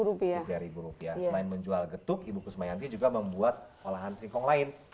rp tiga selain menjual getuk ibu kusma yanti juga membuat olahan singkong lain